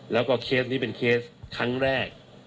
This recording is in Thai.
แล้วก็เคสนี้เป็นเคสครั้งแรก